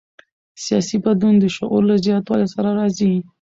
سیاسي بدلون د شعور له زیاتوالي سره راځي